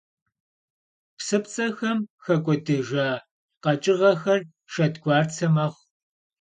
Psıpts'exem xek'uedıhıjja kheç'ığexer şşedguartse mexhu.